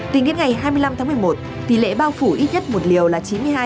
tính đến ngày hai mươi năm tháng một mươi một tỷ lệ bao phủ ít nhất một liều là chín mươi hai